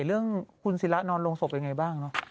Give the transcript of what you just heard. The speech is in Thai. เรื่องคุณศิละนอนลงศพเป็นอย่างไรบ้าง